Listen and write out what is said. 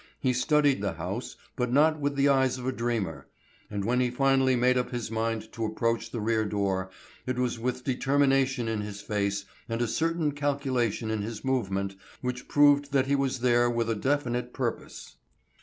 He studied the house, but not with the eyes of a dreamer, and when he finally made up his mind to approach the rear door it was with determination in his face and a certain calculation in his movement which proved that he was there with a definite purpose.